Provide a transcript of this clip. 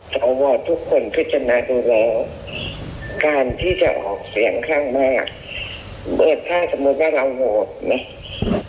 สวทศนายุวานนข่าววอททุกคนพิจารณาดูแล